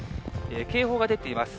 警報が出ています。